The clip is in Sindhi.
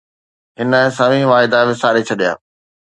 هن سوين واعدا وساري ڇڏيا